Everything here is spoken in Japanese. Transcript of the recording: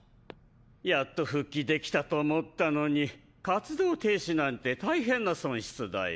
やっと復帰できたと思ったのに活動停止なんて大変な損失だよ。